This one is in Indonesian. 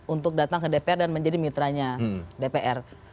untuk datang ke dpr dan menjadi mitranya dpr